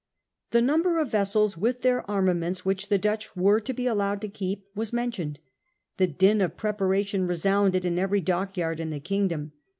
The number of vessels, with their annaments, which the Dutch were to be allowed to keep was mentioned. The din of preparation resounded in every dockyard in the kingdom.